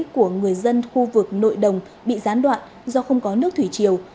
của người dân khu vực nội đồng bị gián đoạn do không có nước thủy chiều